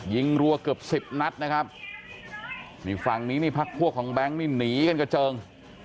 ยิงรัวเกือบ๑๐นัทนะครับฝั่งนี้พักพวกของแบงก์หนีกันกระเจิง